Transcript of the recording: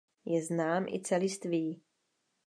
Je znám i celistvý.